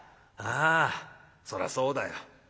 ああそらそうだよ。